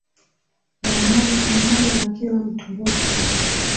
la moja kwa moja la kila Mturuki